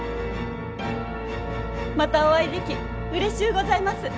またお会いできうれしゅうございます。